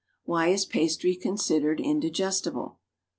17.) (2C) Why is pastry considered indigestible?